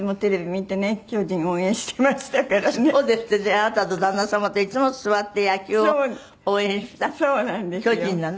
あなたと旦那様でいつも座って野球を応援した巨人なの？